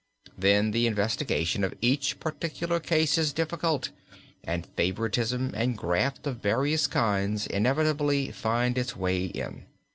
Then the investigation of each particular case is difficult, and favoritism and graft of various kinds inevitably finds its way in.